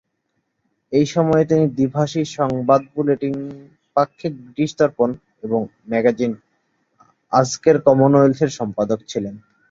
এই সময়ে তিনি দ্বিভাষী সংবাদ বুলেটিন "পাক্ষিক ব্রিটিশ দর্পণ" এবং ম্যাগাজিন "আজকের কমনওয়েলথ" এর সম্পাদক ছিলেন।